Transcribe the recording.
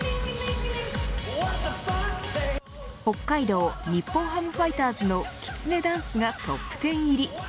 北海道日本ハムファイターズのきつねダンスがトップ１０入り。